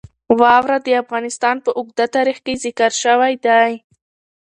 واوره د افغانستان په اوږده تاریخ کې ذکر شوی دی.